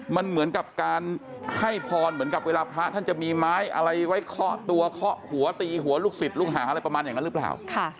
มันเหมือนกับการให้พรเหมือนกับเวลาพระท่านจะมีไม้อะไรไว้เคาะตัวเคาะหัวตีหัวลูกศิษย์ลูกหาอะไรประมาณอย่างนั้นหรือเปล่า